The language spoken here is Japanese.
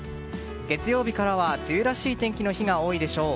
月曜日からは梅雨らしい天気の日が多いでしょう。